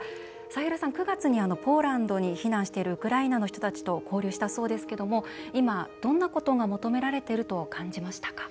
サヘルさん、９月にポーランドに避難しているウクライナの人たちと交流したそうですけども今どんなことが求められてると感じましたか？